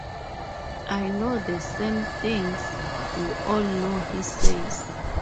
I know the same things we all know, he says.